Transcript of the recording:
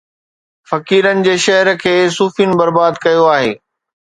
فقيرن جي شهر کي صوفين برباد ڪيو آهي